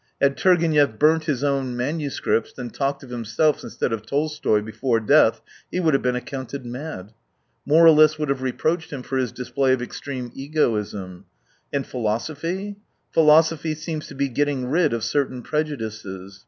Had Turgenev burnt his own manuscripts and talked of himself instead of Tolstoy, before death, he would have been accounted mad. Moral ists would have reproached him for his display of extreme egoism. ... And Phil osophy ? Philosophy seems to be getting rid of certain prejudices.